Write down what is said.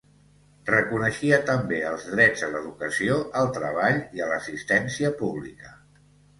Reconeixia també els drets a l'educació, al treball i a l'assistència pública.